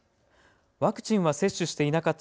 ワクチンは接種していなかった